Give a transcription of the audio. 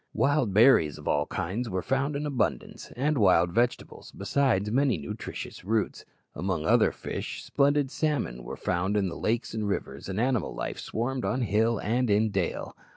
Wild berries of all kinds were found in abundance, and wild vegetables, besides many nutritious roots. Among other fish, splendid salmon were found in the lakes and rivers, and animal life swarmed on hill and in dale.